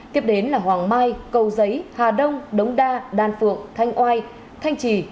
tiếp đến là hoàng mai cầu giấy hà đông đống đa đan phượng thanh oai thanh trì